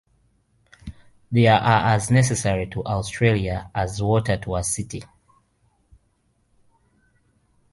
They are as necessary to Australia as water to a city.